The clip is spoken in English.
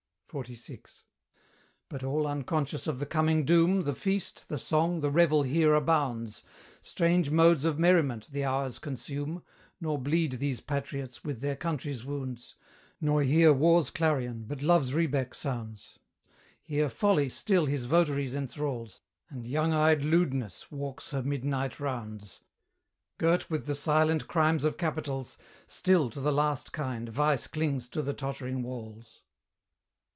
XLVI. But all unconscious of the coming doom, The feast, the song, the revel here abounds; Strange modes of merriment the hours consume, Nor bleed these patriots with their country's wounds; Nor here War's clarion, but Love's rebeck sounds; Here Folly still his votaries enthralls, And young eyed Lewdness walks her midnight rounds: Girt with the silent crimes of capitals, Still to the last kind Vice clings to the tottering walls.